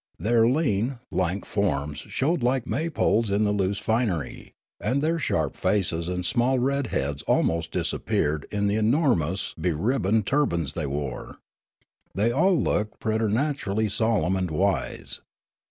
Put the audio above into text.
Their lean, lank forms showed like May poles in the loose finery ; and their sharp faces and small red heads almost disap peared in the enormous beribboned turbans they wore. They all looked preternaturall}' solemn and wise.